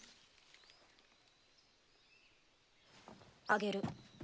あげる。